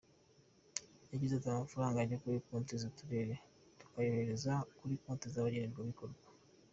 Yagize ati “Amafaranga ajya kuri konti z’Uturere tukayohereza kuri konti z’abagenerwa bikorwa.